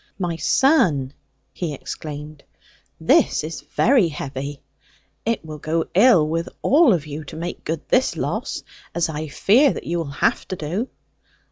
'My son,' he exclaimed, 'this is very heavy. It will go ill with all of you to make good this loss, as I fear that you will have to do.'